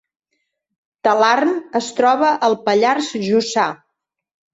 Talarn es troba al Pallars Jussà